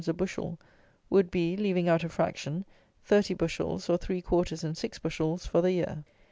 a bushel, would be (leaving out a fraction) 30 bushels, or three quarters and six bushels, for the year.